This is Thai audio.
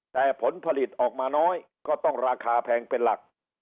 แต่ผลผลิตออกมาน้อยก็ต้องราคาแพงเป็นหลัก